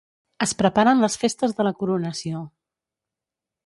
Es preparen les festes de la coronació.